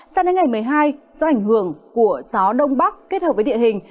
sang đến ngày một mươi hai do ảnh hưởng của gió đông bắc kết hợp với địa hình